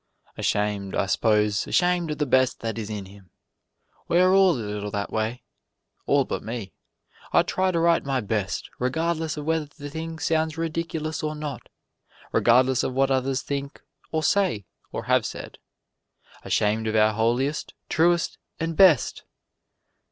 Ashamed, I s'pose, ashamed of the best that is in him. We are all a little that way all but me I try to write my best, regardless of whether the thing sounds ridiculous or not regardless of what others think or say or have said. Ashamed of our holiest, truest and best!